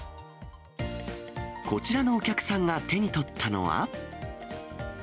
こちらのお客さんが手に取ったのは。